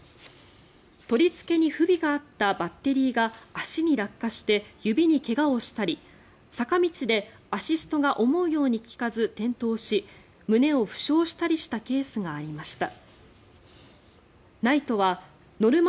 取りつけに不備があったバッテリーが足に落下して指に怪我をしたり坂道で、アシストが思うように利かず転倒し胸を負傷したりしたケースがありました。